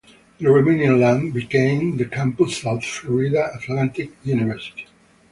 The remaining land became the campus of Florida Atlantic University.